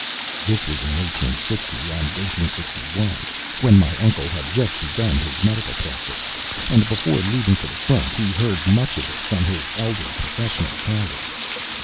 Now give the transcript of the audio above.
This was in 1860 and 1861, when my uncle had just begun his medical practise; and before leaving for the front he heard much of it from his elder professional colleagues.